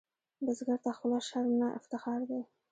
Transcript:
بزګر ته خوله شرم نه، افتخار دی